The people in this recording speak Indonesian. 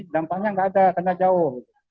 dampaknya tidak ada kena jauh